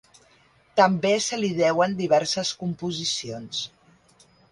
També se li deuen diverses composicions.